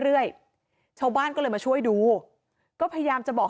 แต่แท็กซี่เขาก็บอกว่าแท็กซี่ควรจะถอยควรจะหลบหน่อยเพราะเก่งเทาเนี่ยเลยไปเต็มคันแล้ว